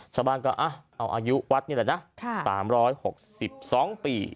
ชาวบ้านก็เอาอายุวัดนี่แหละนะ๓๖๒ปี